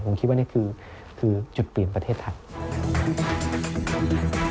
ผมคิดว่านี่คือจุดเปลี่ยนประเทศไทย